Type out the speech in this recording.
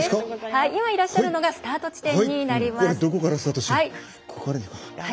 今、いらっしゃるのがスタート地点になります。